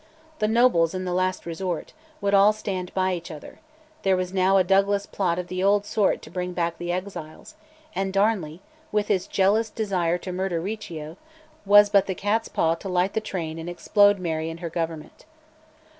The nobles, in the last resort, would all stand by each other: there was now a Douglas plot of the old sort to bring back the exiles; and Darnley, with his jealous desire to murder Riccio, was but the cat's paw to light the train and explode Mary and her Government.